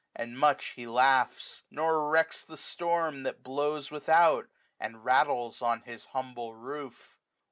And much he laughs; nor recks the storm that blpw^ Without, and rattles on his humble roof.